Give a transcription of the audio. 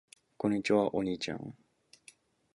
こんにちは。お兄ちゃん。